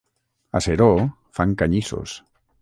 A Seró fan canyissos.